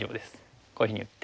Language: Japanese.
こういうふうに打って。